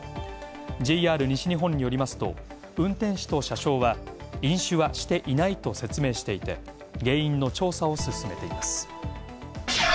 ＪＲ西日本によりますと運転士と車掌は「飲酒はしていない」と説明していて原因の調査を進めています。